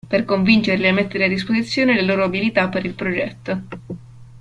Per convincerli a mettere a disposizione le loro abilità per il progetto.